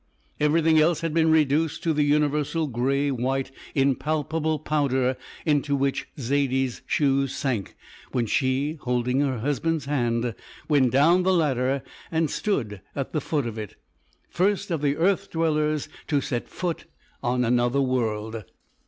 Everything else had been reduced to the universal grey white impalpable powder into which Zaidie's shoes sank when she, holding her husband's hand, went down the ladder and stood at the foot of it first of the earth dwellers to set foot on another world.